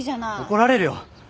怒られるよ。